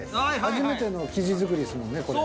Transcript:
初めての生地作りですもんねこれ。